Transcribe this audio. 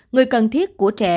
người cần thiết của trẻ